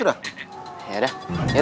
duluan ya carlo duluan